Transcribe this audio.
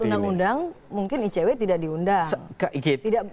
pada saat undang undang mungkin icw tidak diundang